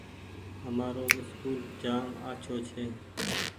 همآرو اسڪول جآم آڇو ڇي۔